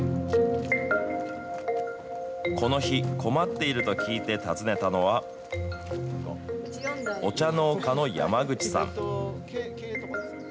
この日、困っていると聞いて訪ねたのは、お茶農家の山口さん。